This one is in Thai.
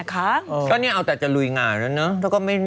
ก็นี่เอาแต่ลุยงานแล้วเนาะแล้วก็ไม่แน่นอน